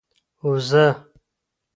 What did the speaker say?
وزه 🐐